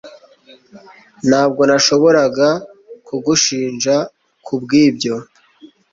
ntabwo nashoboraga kugushinja kubwibyo